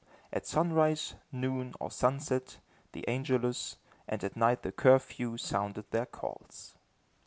At sunrise, noon, or sunset, the Angelus, and at night the curfew sounded their calls.